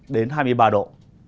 đến hai mươi ba độ